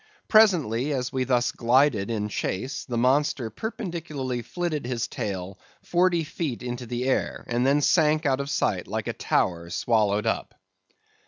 Presently, as we thus glided in chase, the monster perpendicularly flitted his tail forty feet into the air, and then sank out of sight like a tower swallowed up.